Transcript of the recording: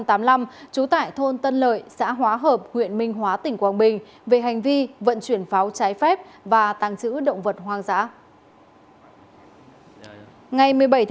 trú tại thôn tân lợi xã hóa hợp huyện minh hóa tỉnh quảng bình về hành vi vận chuyển pháo trái phép và tàng trữ động vật hoang dã